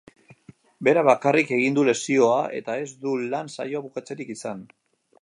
Berak bakarrik egin du lesioa eta ez du lan saioa bukatzerik izan.